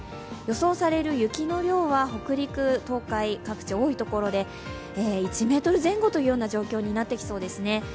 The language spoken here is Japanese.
予想される雪の量は北陸東海、各地多いところで１ｍ前後という状況になってきそうですね。